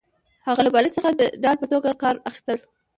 هغه له بالښت څخه د ډال په توګه کار اخیست